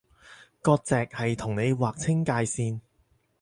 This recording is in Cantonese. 割蓆係同你劃清界線